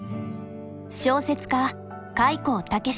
小説家